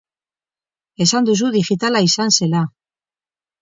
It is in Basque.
Esan duzu digitala izan zela.